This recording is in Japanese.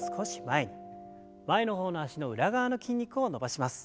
前の方の脚の裏側の筋肉を伸ばします。